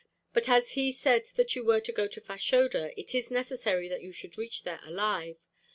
But as he said that you were to go to Fashoda, it is necessary that you should reach there alive.